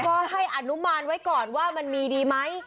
ก็ให้อนุมานไว้ก่อนว่ามันมีดีไหม